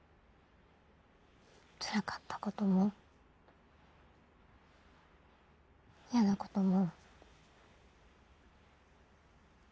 つらかったことも嫌なことも。